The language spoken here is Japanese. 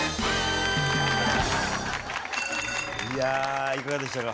いやいかがでしたか？